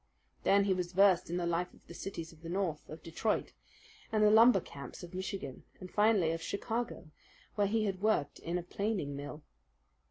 Then he was versed in the life of the cities of the North, of Detroit, and the lumber camps of Michigan, and finally of Chicago, where he had worked in a planing mill.